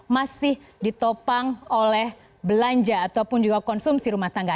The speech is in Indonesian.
masih ditopang oleh belanja ataupun juga konsumsi rumah tangga